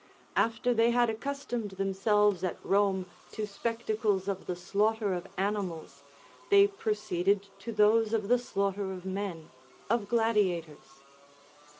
After they had accustomed themselves at Rome to spectacles of the slaughter of animals, they proceeded to those of the slaughter of men, of gladiators.